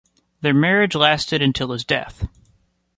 Their marriage lasted until his death.